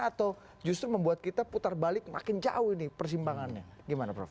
atau justru membuat kita putar balik makin jauh ini persimpangannya gimana prof